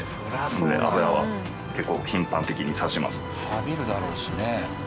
さびるだろうしね。